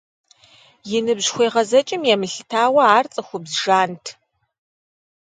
И ныбжь хуегъэзэкӀым емылъытауэ ар цӏыхубз жант.